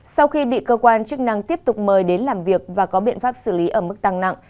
sau khi bị cơ quan chức năng tiếp tục mời đến làm việc và có biện pháp xử lý ở mức tăng nặng